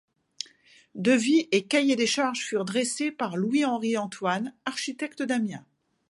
Devis et cahier des charges furent dressés par Louis Henry Antoine, architecte d'Amiens.